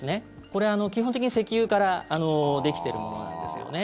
これは基本的に石油からできているものなんですよね。